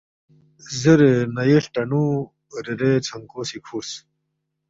زیرے نَیوے ہلٹنُو ریرے ژھںکو سی کھُورس